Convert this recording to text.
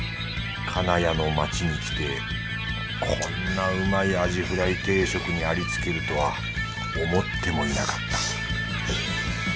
金谷の街に来てこんなうまいアジフライ定食にありつけるとは思ってもいなかった。